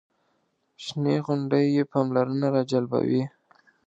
شنې غونډۍ یې پاملرنه راجلبوي.